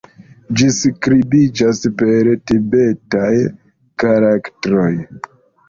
Ĝi skribiĝas per tibetaj karaktroj.